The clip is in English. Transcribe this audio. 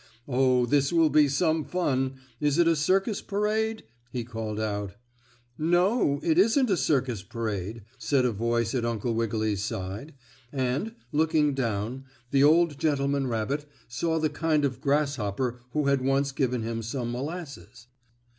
Oh, this will be some fun! Is it a circus parade?" he called aloud. "No, it isn't a circus parade," said a voice at Uncle Wiggily's side, and, looking down, the old gentleman rabbit saw the kind grasshopper who had once given him some molasses.